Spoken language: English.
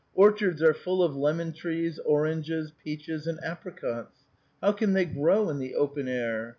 Orchards are full of lemon trees, oranges, peaches, and apricots. How can they grow in the open air?